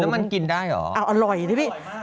แล้วมันกินได้เหรออ่าอร่อยนะพี่อร่อยมาก